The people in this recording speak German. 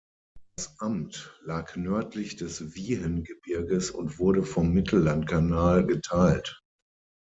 Das Amt lag nördlich des Wiehengebirges und wurde vom Mittellandkanal geteilt.